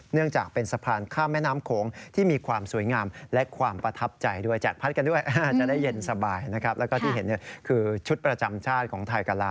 เนื่องจากเป็นสะพานข้ามแม่น้ำโขง